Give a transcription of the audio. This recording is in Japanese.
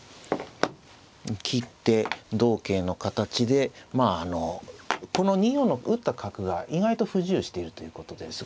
切って同桂の形でまああのこの２四の打った角が意外と不自由しているということです。